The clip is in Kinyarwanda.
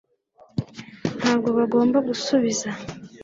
Ntabwo bagomba gusubiza